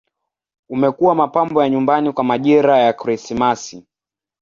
Umekuwa mapambo ya nyumbani kwa majira ya Krismasi.